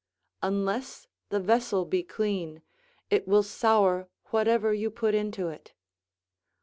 ["Unless the vessel be clean, it will sour whatever you put into it."